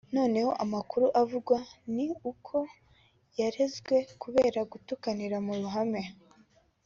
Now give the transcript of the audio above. none amakuru avugwa ni uko yarezwe kubera gutukanira mu ruhame